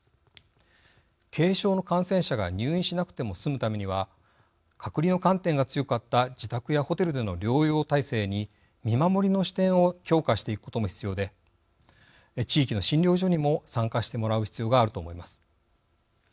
軽症の感染者が入院しなくても済むためには隔離の観点が強かった自宅やホテルでの療養体制に見守りの視点を強化していくことも必要で地域の診療所にも参加してもらう必要があると思います。